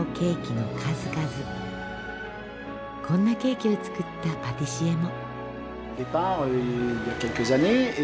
こんなケーキを作ったパティシエも。